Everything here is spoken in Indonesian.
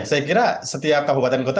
saya kira setiap kabupaten kota